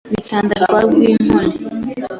B'i Tanda rya Rwinkoni